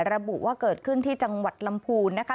ระบุว่าเกิดขึ้นที่จังหวัดลำพูนนะคะ